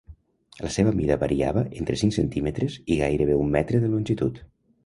La seva mida variava entre cinc centímetres i gairebé un metre de longitud.